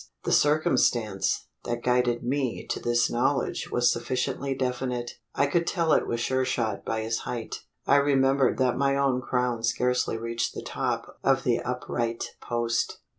The circumstance that guided me to this knowledge was sufficiently definite. I could tell it was Sure shot by his height. I remembered that my own crown scarcely reached the top of the upright post.